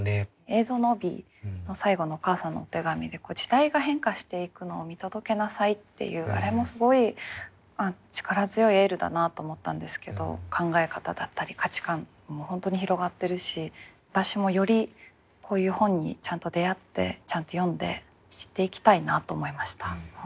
映像の帯の最後のお母さんのお手紙で「時代が変化していくのを見届けなさい」っていうあれもすごい力強いエールだなと思ったんですけど考え方だったり価値観も本当に広がってるし私もよりこういう本にちゃんと出会ってちゃんと読んで知っていきたいなと思いました。